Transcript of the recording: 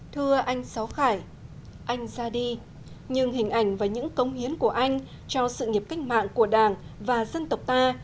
thưa anh sáu khải anh ra đi nhưng hình ảnh và những công hiến của anh cho sự nghiệp cách mạng của đảng và dân tộc ta